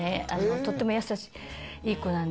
とっても優しいいい子なんで。